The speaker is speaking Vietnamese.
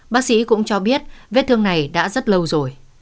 bác sĩ cũng cho biết vết thương này đã rất lâu rồi